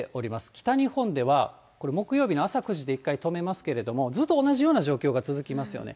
北日本では、これ、木曜日の朝９時で一回止めますけれども、ずっと同じような状況が続きますよね。